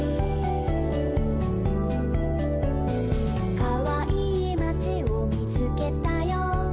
「かわいいまちをみつけたよ」